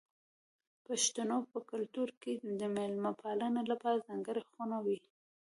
د پښتنو په کلتور کې د میلمه پالنې لپاره ځانګړې خونه وي.